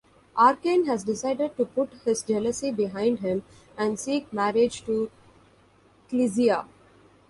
Arcane has decided to put his jealousy behind him and seek marriage to Clizia.